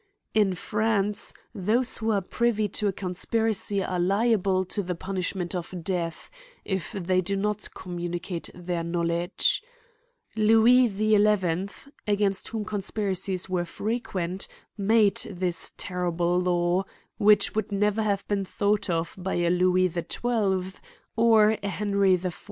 In France, those who are pri vy to a conspiracy are liable to the punishment of death, if the v do not communicate their know ledge. Lewis XI, against whom conspiracies were frequent, made this terrible law; which would never have been thought of by a Lewis XII or a Henry the IV.